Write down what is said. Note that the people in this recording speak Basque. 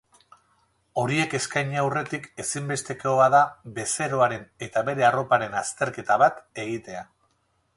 Horiek eskaini aurretik ezinbestekoa da bezeroaren eta bere arroparen azterketa bat egitea.